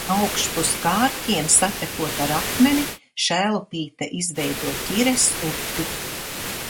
Augšpus Kārķiem, satekot ar Akmeni, Šēlupīte izveido Ķires upi.